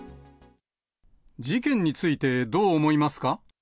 事件についてどう思いますか？